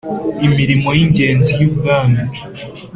imirimo y'ingenzi y'ubwami